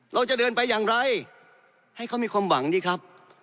เราจะเดินไปอย่างไรให้เขามีความหวังดีครับ